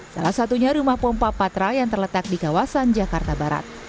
salah satunya rumah pompa patra yang terletak di kawasan jakarta barat